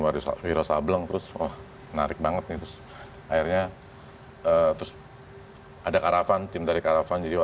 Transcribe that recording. wariswapiro sableng terus wah menarik banget itu akhirnya terus ada caravan tim dari caravan jadi